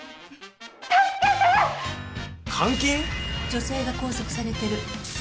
女性が拘束されてる。